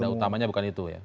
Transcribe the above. yang utamanya bukan itu ya